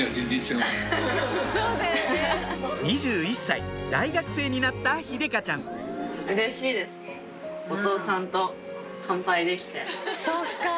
２１歳大学生になった秀香ちゃん乾杯！